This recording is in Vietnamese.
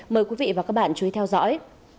mời quý vị và các bạn chú ý theo dõi